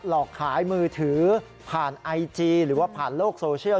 หลอกขายมือถือผ่านไอจีหรือว่าผ่านโลกโซเชียล